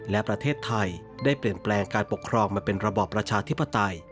และประเทศไทยได้เปลี่ยนแปลงการปกครองมาเป็นระบอบประชาธิปไตย